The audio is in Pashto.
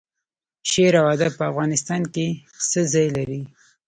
شعر او ادب په افغانستان کې څه ځای لري؟